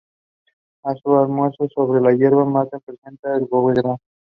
They also have secrets and past traces.